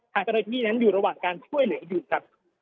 คาดการณ์ที่นั้นอยู่ระหว่างการช่วยหรือหยุดครับ